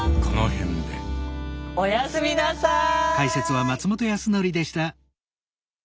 おやすみなさい。